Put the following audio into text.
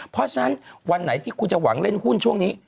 เพราะฉะนั้นวันไหนที่คุณจะหวังเล่นหุ้นช่วงนี้